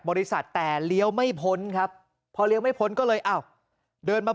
บริษัทแต่เลี้ยวไม่พ้นครับพอเลี้ยวไม่พ้นก็เลยอ้าวเดินมา